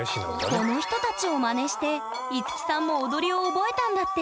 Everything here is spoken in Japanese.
この人たちをマネして樹さんも踊りを覚えたんだって！